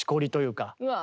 うわ。